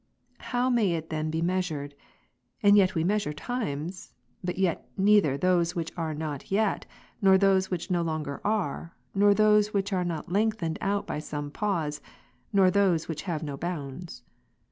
How may it then be measured ? And yet we measure times ; but yet neither those which are not yet, nor those which no longer are, nor those which are not lengthened out by some pause, nor those which have no bounds.